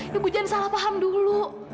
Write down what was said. ibu jangan salah paham dulu